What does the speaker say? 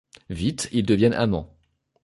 Vite, ils deviennent amants.